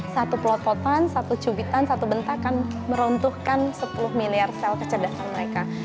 satu pelopotan satu cubitan satu bentakan meruntuhkan sepuluh miliar sel kecerdasan mereka